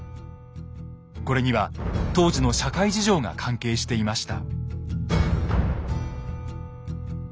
これには当時の社会事情が関係していました。